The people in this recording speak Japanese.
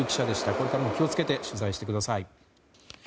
これからも気を付けて取材してください。